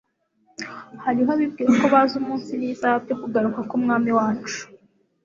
Hariho abibwira ko bazi umunsi n'isaha byo kugaruka k'Umwami wacu.